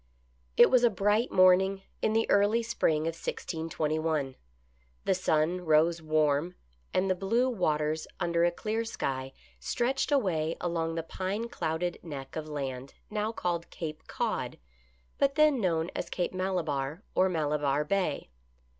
It was a bright morning in the early spring of 1621, The sun rose warm, and the blue waters under a clear sky stretched away along the pine clouded neck of land now called Cape Cod, but then known as Cape Mala barre, or Malabarre Bay.